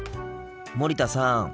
森田さん。